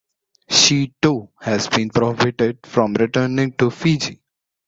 She, too, has been prohibited from returning to Fiji.